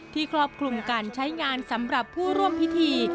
ครอบคลุมการใช้งานสำหรับผู้ร่วมพิธี